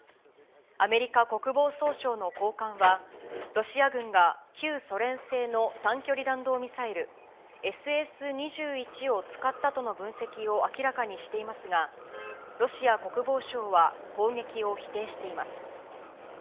アメリカ国防総省の高官は、ロシア軍が旧ソ連製の短距離弾道ミサイル、ＳＳ２１を使ったとの分析を明らかにしていますが、ロシア国防省は攻撃を否定しています。